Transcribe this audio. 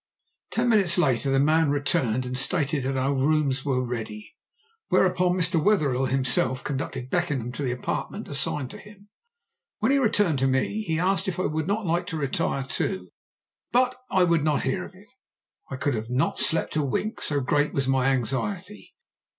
Ten minutes later the man returned and stated that our rooms were ready, whereupon Mr. Wetherell himself conducted Beckenham to the apartment assigned to him. When he returned to me, he asked if I would not like to retire too, but I would not hear of it. I could not have slept a wink, so great was my anxiety.